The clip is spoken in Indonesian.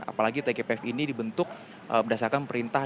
apalagi tgpf ini dibentuk berdasarkan perintah